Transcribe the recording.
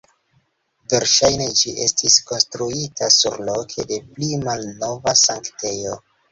Verŝajne, ĝi estis konstruita surloke de pli malnova sanktejo.